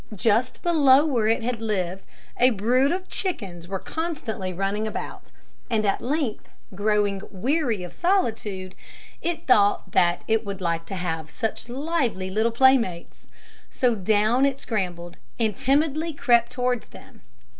Just below where it lived, a brood of chickens were constantly running about; and at length, growing weary of solitude, it thought that it would like to have such lively little playmates. So down it scrambled, and timidly crept towards them.